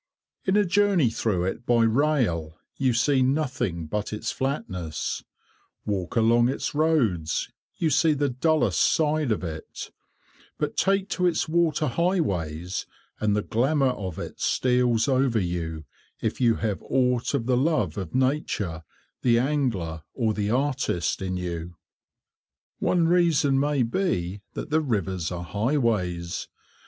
In a journey through it by rail, you see nothing but its flatness; walk along its roads, you see the dullest side of it; but take to its water highways, and the glamour of it steals over you, if you have aught of the love of nature, the angler, or the artist in you. One reason may be that the rivers are highways.